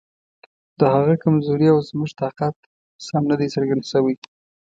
د هغه کمزوري او زموږ طاقت سم نه دی څرګند شوی.